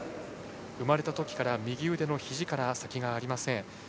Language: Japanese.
生まれたときから右腕のひじから先がありません。